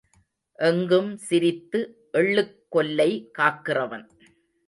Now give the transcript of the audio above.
எங்கும் சிரித்து எள்ளுக் கொல்லை காக்கிறவன்.